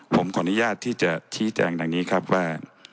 ผมขออนุญาตที่จะชี้แจงดังนี้ครับว่า